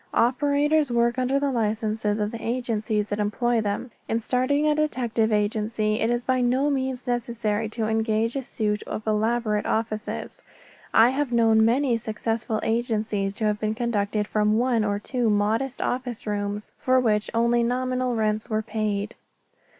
Operators work under the licenses of the agencies that employ them. In starting a detective agency it is by no means necessary to engage a suite of elaborate offices. I have known many successful agencies to have been conducted from one or two modest office rooms, for which only nominal rentals were paid.